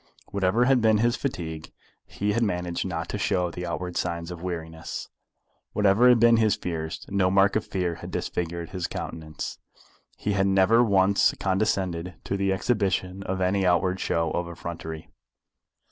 Whatever had been his fatigue, he had managed not to show the outward signs of weariness. Whatever had been his fears, no mark of fear had disfigured his countenance. He had never once condescended to the exhibition of any outward show of effrontery.